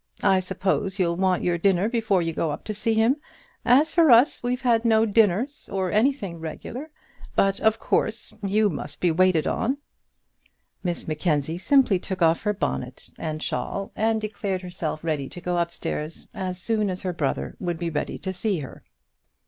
I suppose you'll want your dinner before you go up to see him. As for us we've had no dinners, or anything regular; but, of course, you must be waited on." Miss Mackenzie simply took off her bonnet and shawl, and declared herself ready to go upstairs as soon as her brother would be ready to see her.